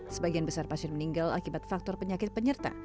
sebagian besar pasien meninggal akibat faktor penyakit penyerta